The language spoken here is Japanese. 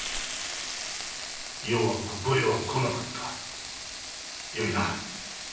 余はここへは来なかったよいな。